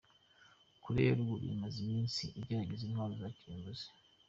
Koreya ya Ruguru imaze iminsi igerageza intwaro za kirimbuzi